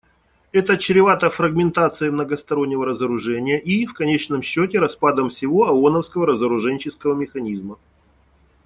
Это чревато фрагментацией многостороннего разоружения и, в конечном счете, распадом всего ооновского разоруженческого механизма.